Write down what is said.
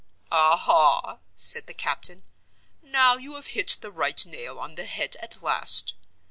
"Aha!" said the captain. "Now you have hit the right nail on the head at last.